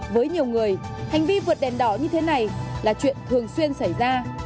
với nhiều người hành vi vượt đèn đỏ như thế này là chuyện thường xuyên xảy ra